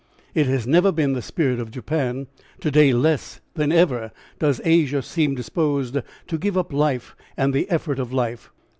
It has never been the spirit of Japan. To day less than ever does Asia seem disposed to give up life and the effort of life.